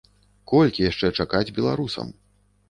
Колькі яшчэ чакаць беларусам?